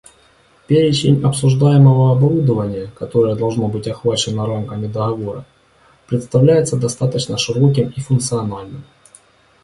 Перечень обсуждаемого оборудования, которое должно быть охвачено рамками договора, представляется достаточно широким и функциональным.